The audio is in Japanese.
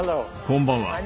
こんばんは。